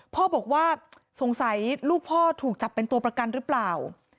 พ่อบอกว่าสงสัยลูกพ่อถูกจับเป็นตัวประกันหรือเปล่า